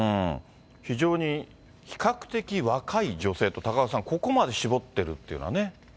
非常に比較的若い女性と、高岡さん、ここまで絞ってるっていうのはね。